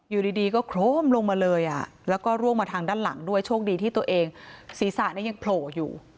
อยู่ดีก็โครมลงมาเลยแล้วก็ร่วงมาทางด้านหลังด้วยโชคดีที่ตัวเองศีรษะยังโผล่อยู่